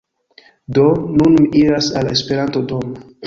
Do, nun mi iras al la Esperanto-domo